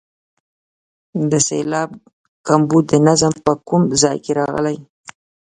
د سېلاب کمبود د نظم په کوم ځای کې راغلی.